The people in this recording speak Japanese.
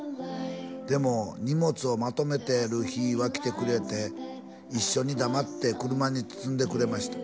「でも荷物をまとめてる日は来てくれて」「一緒に黙って車に積んでくれました」